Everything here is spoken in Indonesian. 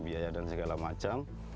biaya dan segala macam